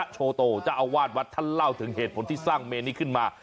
โชโตเจ้าอาวาสวัดท่านเล่าถึงเหตุผลที่สร้างเมนนี้ขึ้นมา